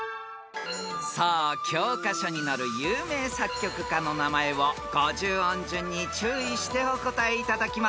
［さあ教科書に載る有名作曲家の名前を５０音順に注意してお答えいただきます］